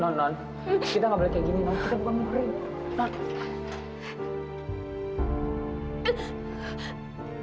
non non kita nggak boleh kayak gini non kita bukan murid non